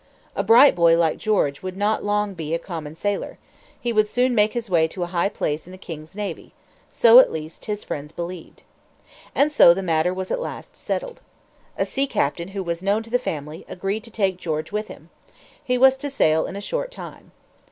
A bright boy like George would not long be a common sailor. He would soon make his way to a high place in the king's navy. So, at least, his friends believed. And so the matter was at last settled. A sea captain who was known to the family, agreed to take George with him. He was to sail in a short time.